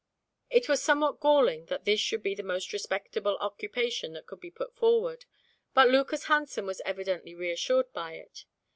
It was somewhat galling that this should be the most respectable occupation that could be put forward, but Lucas Hansen was evidently reassured by it.